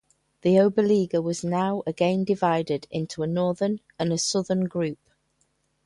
The "Oberliga" was now again divided into a northern and a southern group.